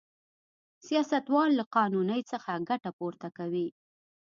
سیاستوال له نا قانونۍ څخه ګټه پورته کوي.